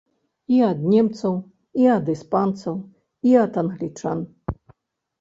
І ад немцаў, і ад іспанцаў, і ад англічан.